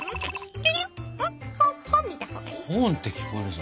「本」って聞こえるぞ。